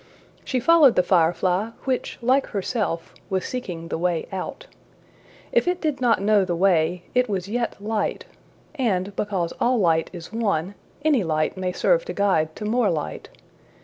'' She followed the firefly, which, like herself, was seeking the way out. If it did not know the way, it was yet light; and, because all light is one, any light may serve to guide to more light.